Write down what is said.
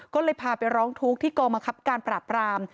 ก็เลยพาไปร้องทุกข์ที่กองบังคับการปราบราม